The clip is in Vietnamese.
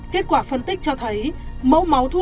kết quả phân tích cho thấy mẫu máu thu